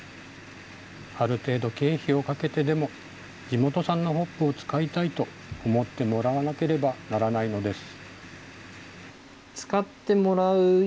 ある程度経費をかけてでも、地元産のホップを使いたいと思ってもらわなければならないのです。